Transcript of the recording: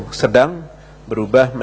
kota ternate kota belitung kota jawa timur